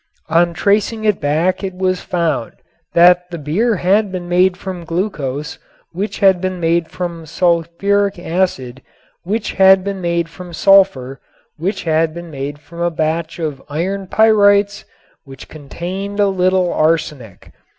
On tracing it back it was found that the beer had been made from glucose which had been made from sulfuric acid which had been made from sulfur which had been made from a batch of iron pyrites which contained a little arsenic.